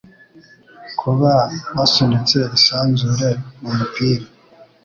Kuba wasunitse isanzure mumupira